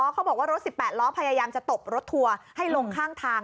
เขาบอกว่ารถ๑๘ล้อพยายามจะตบรถทัวร์ให้ลงข้างทาง